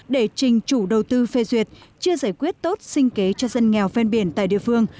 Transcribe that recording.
để trình chủ đầu tư phê duyệt chưa giải quyết tốt sinh kế cho dân nghèo phen biển tại địa phương